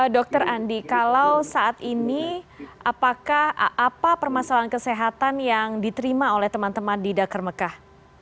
dokter andi kalau saat ini apakah apa permasalahan kesehatan yang diterima oleh teman teman di dakar mekah